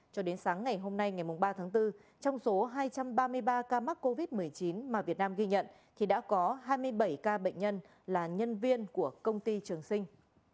cho đến sáng ngày hôm nay ngày ba tháng bốn trong số hai trăm ba mươi ba ca mắc covid một mươi chín mà việt nam ghi nhận thì đã có hai mươi bảy ca bệnh nhân là nhân viên của công ty trường sinh